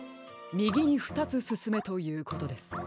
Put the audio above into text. みぎにふたつすすめということです。